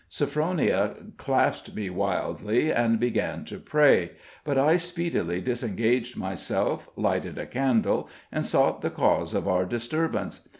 Sophronia clasped me wildly and began to pray; but I speedily disengaged myself, lighted a candle, and sought the cause of our disturbance.